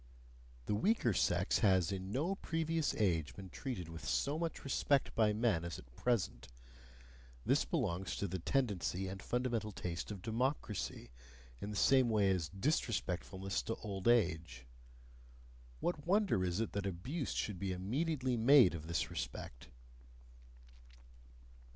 The weaker sex has in no previous age been treated with so much respect by men as at present this belongs to the tendency and fundamental taste of democracy, in the same way as disrespectfulness to old age what wonder is it that abuse should be immediately made of this respect?